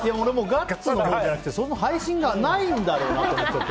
ガッツのほうじゃなくてその配信がないんだろうなと思っちゃって。